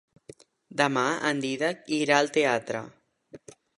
Demà en Dídac irà al teatre.